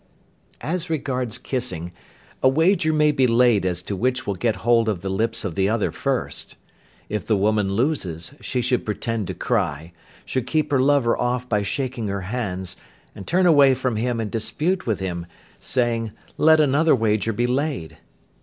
As regards kissing, a wager may be laid as to which will get hold of the lips of the other first. If the woman loses, she should pretend to cry, should keep her lover off by shaking her hands, and turn away from him and dispute with him, saying "let another wager be laid."